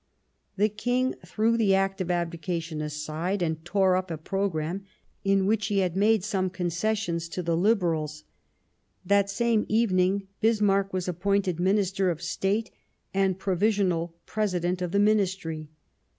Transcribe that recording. The King threw the Act of Abdication aside and tore up a programme in which he had made some concessions to the Liberals. That same evening Bismarck was appointed Minister of State and Provisional President of the Ministry.